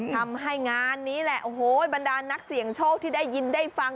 ทำให้งานนี้แหละโอ้โหบรรดานนักเสี่ยงโชคที่ได้ยินได้ฟัง